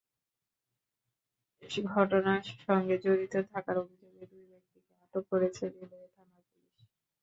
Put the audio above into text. ঘটনার সঙ্গে জড়িত থাকার অভিযোগে দুই ব্যক্তিকে আটক করেছে রেলওয়ে থানার পুলিশ।